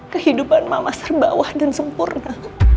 kehidupan mama terbawah dan sempurna